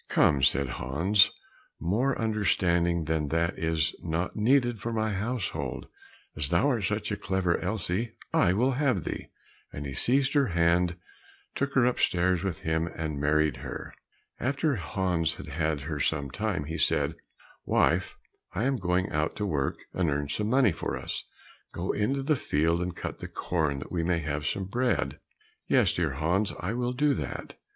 "Come," said Hans, "more understanding than that is not needed for my household, as thou art such a clever Elsie, I will have thee," and he seized her hand, took her upstairs with him, and married her. After Hans had had her some time, he said, "Wife, I am going out to work and earn some money for us; go into the field and cut the corn that we may have some bread." "Yes, dear Hans, I will do that."